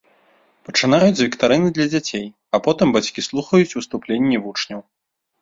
Пачынаюць з віктарыны для дзяцей, а потым бацькі слухаюць выступленні вучняў.